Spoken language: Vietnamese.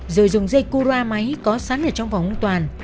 rồi dùng dây cura máy có sẵn ở trong phòng ông toàn